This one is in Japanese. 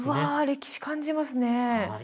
歴史感じますね